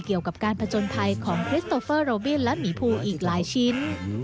เกี่ยวกับการผจญภัยของคริสโตเฟอร์โรบินและหมีภูอีกหลายชิ้น